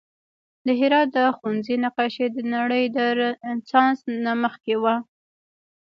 د هرات د ښوونځي نقاشي د نړۍ د رنسانس نه مخکې وه